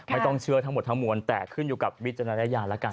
ไม่ต้องเชื่อทั้งหมดทั้งมวลแต่ขึ้นอยู่กับวิจารณญาณแล้วกัน